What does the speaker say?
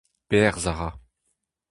Berzh a ra.